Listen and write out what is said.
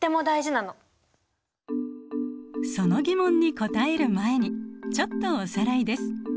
その疑問に答える前にちょっとおさらいです。